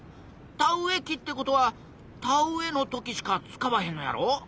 田植え機ってことは田植えの時しか使わへんのやろ？